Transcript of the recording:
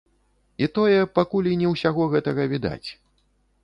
І тое, пакуль і не ўсяго гэтага відаць.